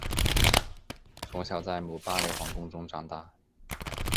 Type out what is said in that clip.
从小在姆巴雷皇宫中长大。